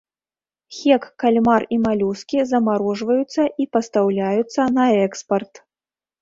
Хек, кальмар і малюскі замарожваюцца і пастаўляюцца на экспарт.